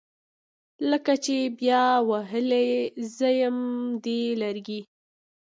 لکه چې بیا وهلي زیم دي لرګي